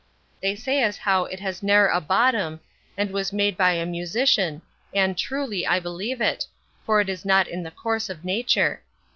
They say as how it has n'er a bottom, and was made by a musician and, truly, I believe it; for it is not in the coarse of nature.